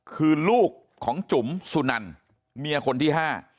คือลูกของจุ๋มสุนันเมียคนที่ห้า